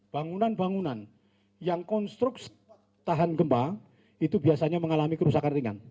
bangunan bangunan yang konstruksi tahan gempa itu biasanya mengalami kerusakan ringan